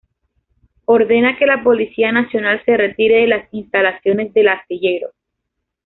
Ordena que la Policía Nacional se retire de la instalaciones del astillero.